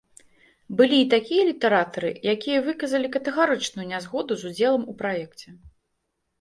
Былі і такія літаратары, якія выказалі катэгарычную нязгоду з удзелам у праекце.